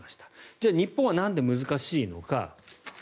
じゃあ、日本はなんで難しいのか。